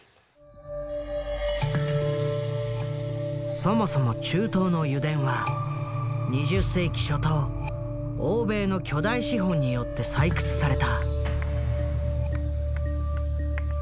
そもそも中東の油田は２０世紀初頭欧米の巨大資本によって採掘された。